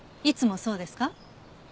いつもそうですか？